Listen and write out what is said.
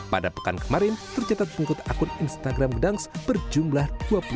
pada pekan kemarin tercatat pengikut akun instagram dance berjumlah dua puluh satu